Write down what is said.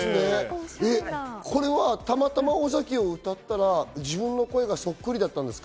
たまたま尾崎を歌ったら自分の声がそっくりだったんですか？